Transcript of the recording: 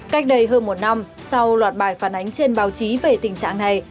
cách đây hơn một năm sau loạt bài phản ánh trên báo chí về tình trạng này